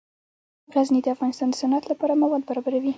غزني د افغانستان د صنعت لپاره مواد برابروي.